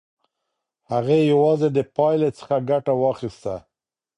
هغې یوازې د پایلې څخه ګټه واخیسته.